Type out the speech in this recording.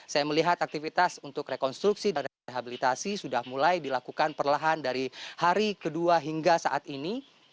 saya melihat aktivitas untuk rekonstruksi dan rehabilitasi sudah mulai dilakukan perlahan dari hari kedua hingga saat ini